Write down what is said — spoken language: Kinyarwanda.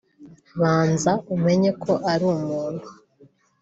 banza umenye ko ari umuntu